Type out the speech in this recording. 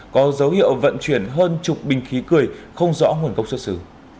có dấu hiệu vận chuyển hơn chục bình khí cười không rõ nguồn gốc xuất xứ